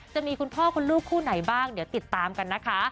จะมีคุณพ่อคุณลูกคู่ไหนบ้างเดี๋ยวติดตามกันนะคะ